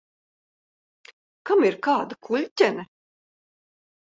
Kam ir kāda kuļķene?